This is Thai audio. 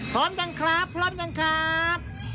พร้อมยังครับพร้อมยังครับ